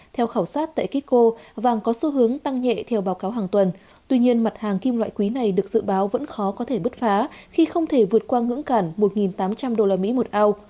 theo khảo sát tại kitco vàng có xu hướng tăng nhẹ theo báo cáo hàng tuần tuy nhiên mặt hàng kim loại quý này được dự báo vẫn khó có thể bứt phá khi không thể vượt qua ngưỡng cản một tám trăm linh usd một ao